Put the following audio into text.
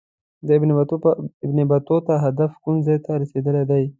د ابن بطوطه هدف کوم ځای ته رسېدل دي.